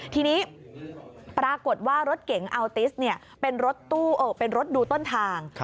ทีนี้ปรากฏว่ารถเก๋งอัลติสเป็นรถดูต้นทาง